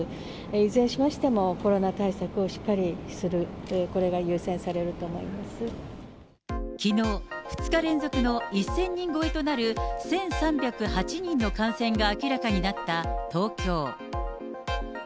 いずれにしましても、コロナ対策をしっかりする、きのう、２日連続の１０００人超えとなる１３０８人の感染が明らかになった東京。